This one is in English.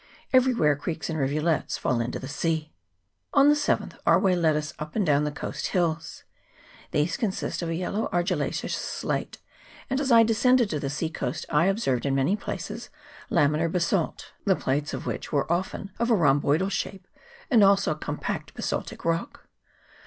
Everywhere creeks and rivulets fall into the sea. On the 7th our way led us up and down the coast hills. These consist of a yellow argillaceous slate ; and as I descended to the sea coast I observed in many places laminar basalt, the plates of which were often of a rhomboidal shape ; and also com pact basaltic rock.